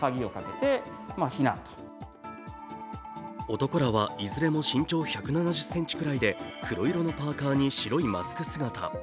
男らはいずれも身長１７０ｃｍくらいで黒色のパーカーに白いマスク姿。